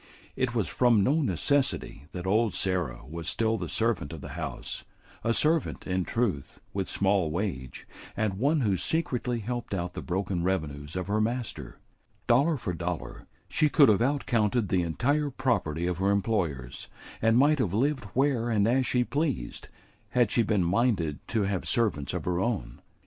It was from no necessity that old Sarah was still the servant of the house; a servant, in truth, with small wage, and one who secretly helped out the broken revenues of her master. Dollar for dollar, she could have out counted the entire property of her employers; and might have lived where and as she pleased, had she been minded to have servants of her own.